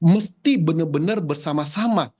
mesti benar benar bersama sama